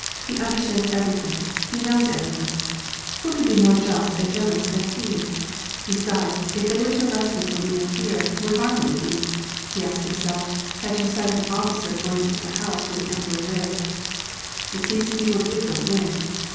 He understands everything, he knows everything ! Who could be more just and generous than he ? Besides, if they were to arrest me for being here, what harm would it be ?" he asked himself, catching sight of an officer going into the house where the emperor lived. " It seems people do go in